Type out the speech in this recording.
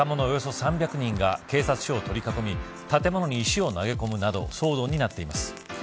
およそ３００人が警察署を取り囲み建物に石を投げ込むなど騒動になっています。